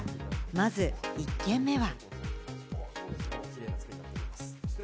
まず１軒目は。